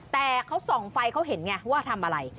แต่เขาส่องไฟเขาเห็นไงว่าทำอะไร